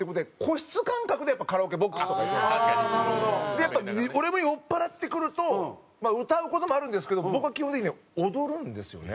で俺も酔っ払ってくると歌う事もあるんですけど僕は基本的には踊るんですよね。